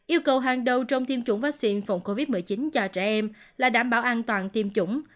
yêu cầu hàng đầu trong tiêm chủng vaccine phòng covid một mươi chín cho trẻ em là đảm bảo an toàn tiêm chủng